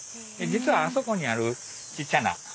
実はあそこにあるちっちゃな建物。